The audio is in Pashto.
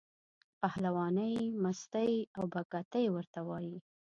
پهلوانۍ، مستۍ او بګتۍ ورته وایي.